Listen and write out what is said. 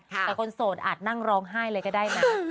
แต่คนโสดอาจนั่งร้องไห้เลยก็ได้นะ